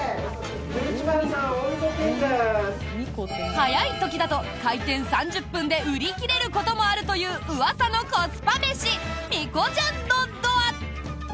早い時だと開店３０分で売り切れることもあるといううわさのコスパ飯みこちゃん丼とは？